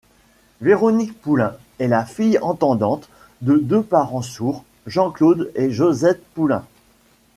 Véronique Poulain est la fille entendante de deux parents sourds, Jean-Claude et Josette Poulain.